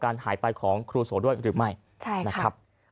หายไปของครูโสด้วยหรือไม่นะครับ